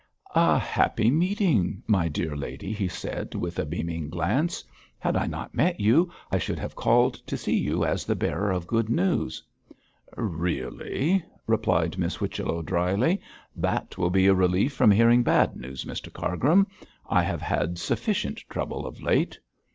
'A happy meeting, my dear lady,' he said, with a beaming glance. 'Had I not met you, I should have called to see you as the bearer of good news.' 'Really!' replied Miss Whichello, drily. 'That will be a relief from hearing bad news, Mr Cargrim. I have had sufficient trouble of late.'